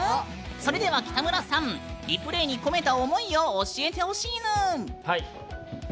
それでは、北村さん「Ｒｅｐｌａｙ」に込めた思いを教えてほしいぬーん。